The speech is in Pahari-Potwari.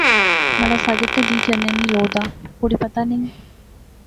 مہاڑا ساجد تہ دیئں چنے نی لو دا، کڑی پتہ نئیں؟